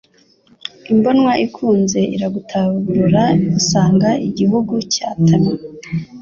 Imbonwa ikunze iragutabarura Usanga igihugu cyatamye,